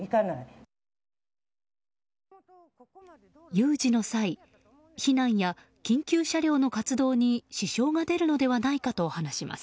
有事の際避難や緊急車両の活動に支障が出るのではないかと話します。